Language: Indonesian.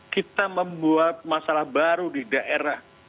kita membuat masalah baru di daerah